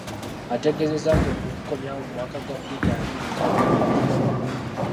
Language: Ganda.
Ategeezezza nti okugukomyawo mu mwaka gwa bbiri abiri kyakolebwa mu nsobi.